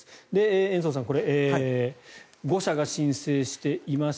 延増さん５社が申請しています。